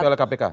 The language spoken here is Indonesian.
bap oleh kpk